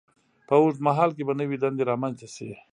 په اوږد مهال کې به نوې دندې رامینځته شي.